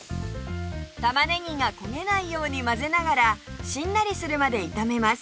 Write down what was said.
玉ねぎが焦げないように混ぜながらしんなりするまで炒めます